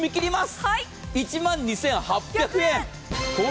１万２８００円。